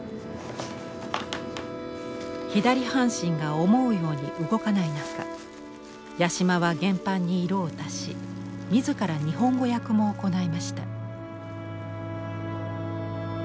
左半身が思うように動かない中八島は原版に色を足し自ら日本語訳も行いました。